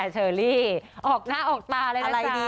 ก็เริ่มชินอะไรอย่างนี้